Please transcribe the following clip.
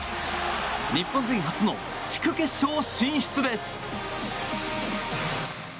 日本人初の地区決勝進出です。